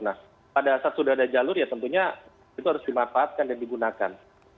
nah pada saat sudah ada jalur ya tentunya itu harus dimanfaatkan dan digunakan